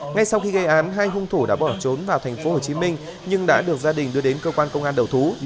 ngay sau khi gây án hai hung thủ đã bỏ trốn vào tp hcm nhưng đã được gia đình đưa đến cơ quan công an đầu thú